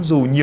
dù nhiều em